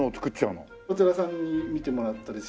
お寺さんに見てもらったり。